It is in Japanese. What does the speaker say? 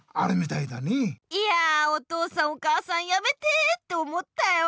いや「お父さんお母さんやめて」って思ったよ。